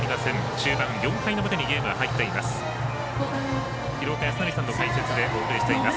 中盤、４回の表にゲームは入っています。